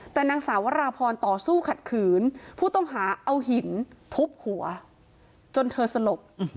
แต่นางสาววราพรต่อสู้ขัดขืนผู้ต้องหาเอาหินทุบหัวจนเธอสลบ